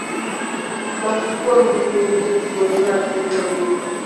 Moko kuomgi gin jokwoye mag mtokni,